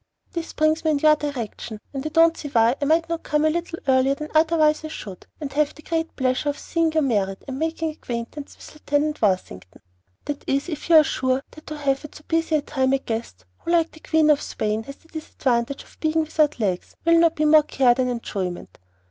This brings me in your direction; and I don't see why I might not come a little earlier than I otherwise should, and have the great pleasure of seeing you married, and making acquaintance with Lieutenant Worthington. That is, if you are perfectly sure that to have at so busy a time a guest who, like the Queen of Spain, has the disadvantage of being without legs, will not be more care than enjoyment.